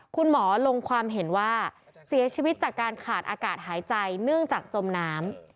คุณหมอลงความเห็นว่าเสียชีวิตจากการขาดอากาศหายใจเนื่องจากจมน้ำ